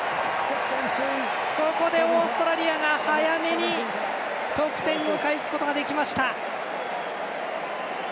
ここでオーストラリアが早めに得点を返すことができました！